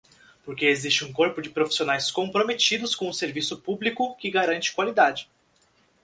Porque existe um corpo de profissionais comprometidos com o serviço público que garante qualidade.